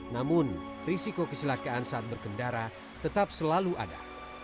namun risiko kecelakaan saat berkendara tetap selalu ada